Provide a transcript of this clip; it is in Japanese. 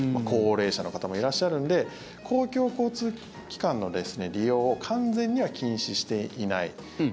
高齢者の方もいらっしゃるんで公共交通機関の利用を完全には禁止していない。